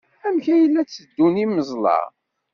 Amek ay la tteddun yiweẓla?